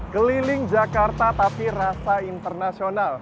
keliling jakarta tapi rasa internasional